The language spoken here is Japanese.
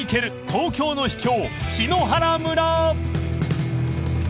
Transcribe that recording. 東京の秘境。